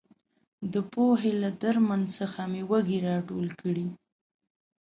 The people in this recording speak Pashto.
د پوهې له درمن څخه مې وږي راټول کړي.